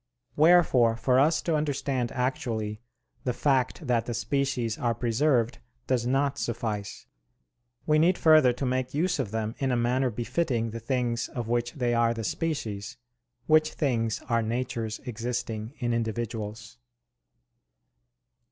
Wherefore for us to understand actually, the fact that the species are preserved does not suffice; we need further to make use of them in a manner befitting the things of which they are the species, which things are natures existing in individuals.